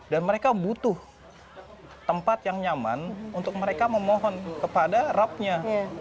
dan mereka butuh tempat yang nyaman untuk mereka memohon kepada rabnya